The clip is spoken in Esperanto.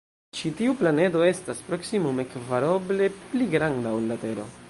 Ĉi tiu planedo estas proksimume kvar oble pli granda ol la Tero.